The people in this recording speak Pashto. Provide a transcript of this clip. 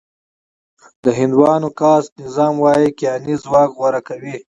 د هندوانو کاسټ نظام وايي کیهاني ځواک غوره کوي.